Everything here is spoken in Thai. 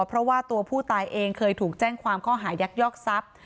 เพราะว่าตัวผู้ตายเองเคยถูกแจ้งความข้อหายักยอกทรัพย์